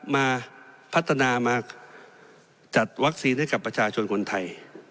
มาพัฒนามาจัดวัคซีนให้กับประชาชนคนไทย